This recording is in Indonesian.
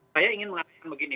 saya ingin mengatakan begini